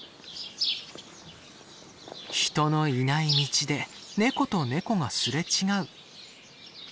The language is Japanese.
人のいない道でネコとネコが擦れ違う。